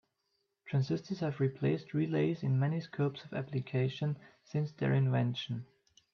Transistors have replaced relays in many scopes of application since their invention.